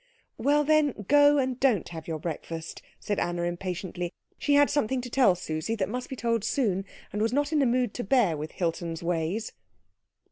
"Well, then, go and don't have your breakfast," said Anna impatiently. She had something to tell Susie that must be told soon, and was not in a mood to bear with Hilton's ways.